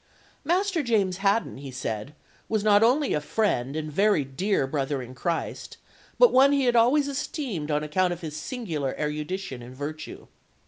Master James Haddon, he said, was not only a friend and very dear brother in Christ, but one he had always esteemed on account of his singular erudition and virtue.